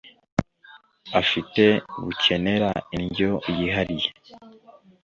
afite bukenera indyo yihariye